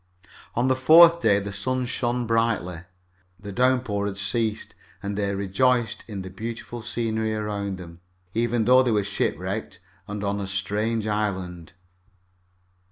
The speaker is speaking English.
On the fourth day the sun shone brightly, the downpour had ceased, and they rejoiced in the beautiful scenery around them, even though they were shipwrecked and on a strange island.